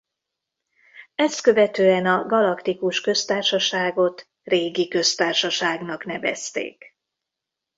Ezt követően a Galaktikus Köztársaságot Régi Köztársaságnak nevezték.